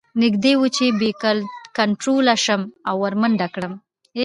نږدې وه چې بې کنتروله شم او ور منډه کړم